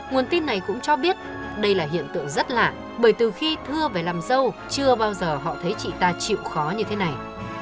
nguồn tin này cũng cho biết đây là hiện tượng rất lạ bởi từ khi thưa về làm dâu chưa bao giờ họ thấy chị ta chịu khó như thế này